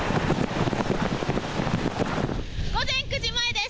午前９時前です。